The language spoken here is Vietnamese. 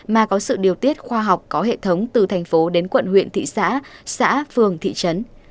mà có sự điều tiết khoa học có hệ thống từ thành phố đến quận huyện thị xã xã phường thị trấn